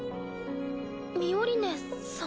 ミオリネさん。